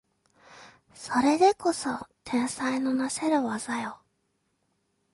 それでこそ天才のなせる技よ